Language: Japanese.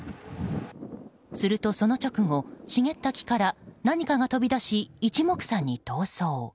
すると、その直後茂った木から何かが飛び出し一目散に逃走。